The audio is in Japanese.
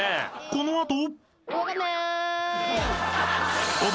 ［この後］